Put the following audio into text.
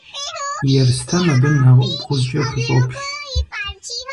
Ерстэм абы нэбгъузкӏэ хущӏоплъ.